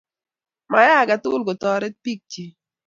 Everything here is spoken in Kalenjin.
mayay aketugul koteret biik chii.